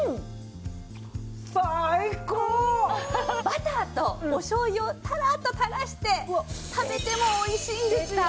バターとおしょう油をたらっと垂らして食べてもおいしいんですよ。